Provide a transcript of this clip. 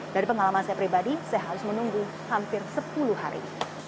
dari pengalaman saya pribadi saya harus menunggu hampir sepuluh hari